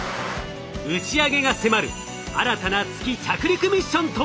打ち上げが迫る新たな月着陸ミッションとは？